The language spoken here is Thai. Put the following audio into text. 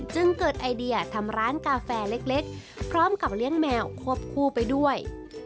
จึงเกิดไอเดียทำร้านกาแฟเล็กพร้อมกับเลี้ยงแมวควบคู่ไปด้วย